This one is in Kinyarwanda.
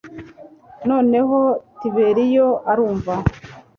Noneho Tiberiyo arumva